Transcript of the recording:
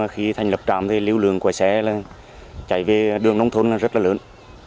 khi thành lập trạm thì lưu lượng của xe chạy về đường nông thôn rất là lớn